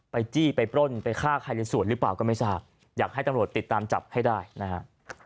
จี้ไปปล้นไปฆ่าใครในสวนหรือเปล่าก็ไม่ทราบอยากให้ตำรวจติดตามจับให้ได้นะฮะ